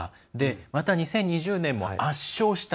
また２０２０年も圧勝した。